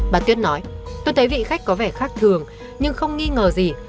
bà tuyết nói tôi thấy vị khách có vẻ khác thường nhưng không nghi ngờ gì